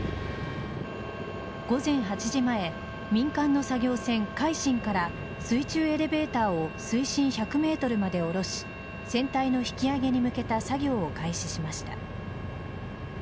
午前８時前民間の作業船「海進」から水中エレベーターを水深１００ｍまで下ろし船体の引き揚げに向けた作業を開始しました。